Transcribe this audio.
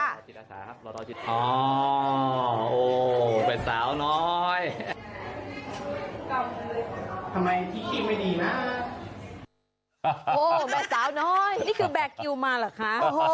โอ้แบบสาวน้อยนี่คือแบกกิวมาหรอค่ะ